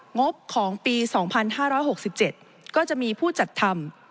งบของปี๒๕๖๗ก็จะมีผู้จัดทำ